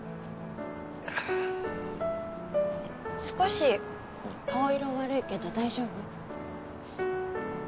少し顔色悪いけど大丈夫？